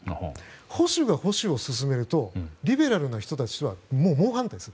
保守が保守を進めるとリベラルな人たちは猛反対する。